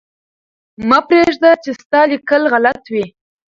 مه پرېږده چې ستا لیکل غلط وي.